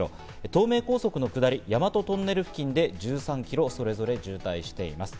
東名高速道路の下り、大和トンネル付近で１３キロ、それぞれ渋滞しています。